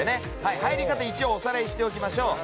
入り方一応おさらいしておきましょう。